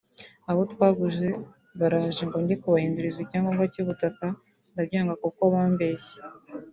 Abo twaguze baraje ngo njye kubahinduriza [icyangombwa cy’u butaka] ndabyanga kuko bambeshye